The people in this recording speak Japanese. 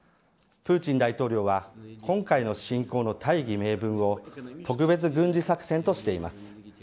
プーチン大統領は今回の侵攻の大義名分を特別軍事作戦としています。